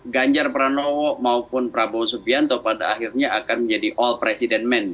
ganjar pranowo maupun prabowo subianto pada akhirnya akan menjadi all president men